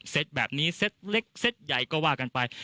แบบนี้เซ็ตเล็กเซตใหญ่ก็ว่ากันไป